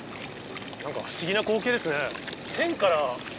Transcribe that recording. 何か不思議な光景ですね。